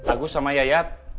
aku sama yayat